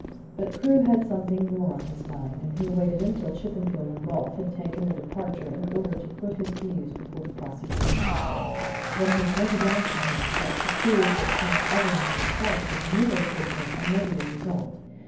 But Crewe had something more on his mind, and he waited until Chippenfield and Rolfe had taken their departure in order to put his views before the prosecuting counsel. Then he pointed out to him that to prove that Kemp's evidence was false was merely to obtain a negative result.